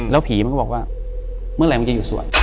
แล้วผีมันก็บอกว่าเมื่อไหร่มันจะอยู่สวย